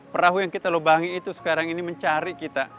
perahu yang kita lubangi itu sekarang ini mencari kita